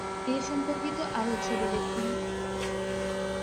এ সম্পর্কিত আরও ছবি দেখুন